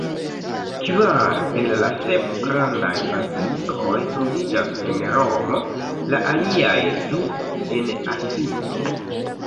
Kvar el la sep grandaj bazilikoj troviĝas en Romo, la aliaj du en Asizo.